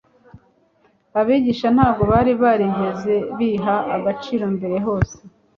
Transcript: Abigishwa ntabwo bari barigeze biha agaciro mbere hose.